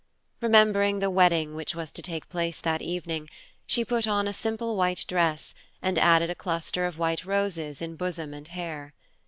Remembering the wedding which was to take place that evening, she put on a simple white dress and added a cluster of white roses in bosom and hair.